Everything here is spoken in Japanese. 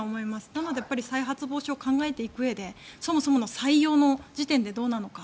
なので再発防止を考えていくうえでそもそもの採用の時点でどうなのか